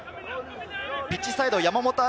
ピッチサイド、山本さん。